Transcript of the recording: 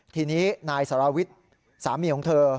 ทีนี้นายสารวิทย์สามีของเธอ